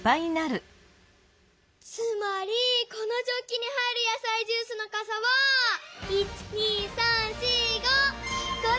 つまりこのジョッキに入るやさいジュースのかさは１２３４５！